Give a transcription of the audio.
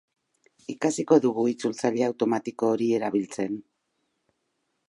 Ikasiko dugu itzultzaile automatiko hori erabiltzen.